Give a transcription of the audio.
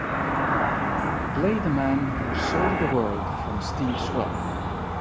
Play the man who sold the world from Steve Swell